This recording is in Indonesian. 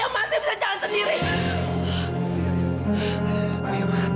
mas apa tidak cukup